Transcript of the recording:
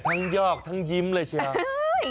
ทั้งยอกทั้งยิ้มเลยใช่ไหม